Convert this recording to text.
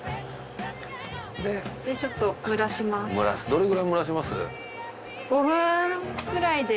ちょっと蒸らします。